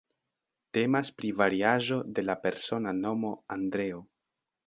Temas pri variaĵo de la persona nomo Andreo.